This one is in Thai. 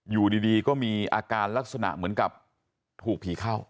อยู่ดีก็มีอาการลักษณะเหมือนกับถูกผีเข้า